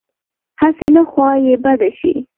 هسې نه خوا یې بده شي.